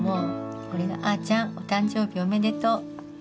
これが「あーちゃんお誕生日おめでとう！！！